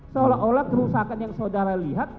seolah olah kerusakan yang saudara lihat